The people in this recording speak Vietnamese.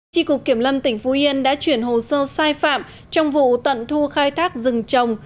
tri cục kiểm lâm tỉnh phú yên đã chuyển hồ sơ sai phạm trong vụ tận thu khai thác rừng trồng